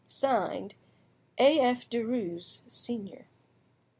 "(Signed) A. F. DERUES, Senior."